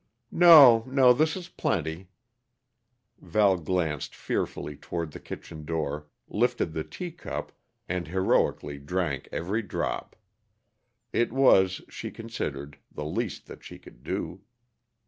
"No, no, this is plenty." Val glanced fearfully toward the kitchen door, lifted the teacup, and heroically drank every drop. It was, she considered, the least that she could do.